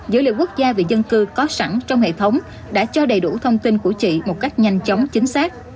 dữ liệu quốc gia về dân cư có sẵn trong hệ thống đã cho đầy đủ thông tin của chị một cách nhanh chóng chính xác